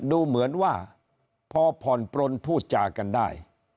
ดูเหมือนว่าพอผ่อนปลนพูดจากันได้